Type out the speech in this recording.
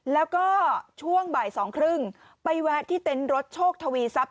แล้วก็ช่วงบ่ายสองครึ่งไปแวะที่เต็นต์รถโชคทวีทรัพย